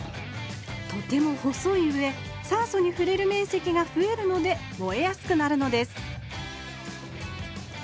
とても細いうえ酸素にふれるめんせきがふえるので燃えやすくなるのです